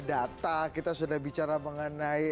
data kita sudah bicara mengenai